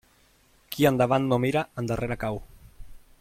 Qui endavant no mira, endarrere cau.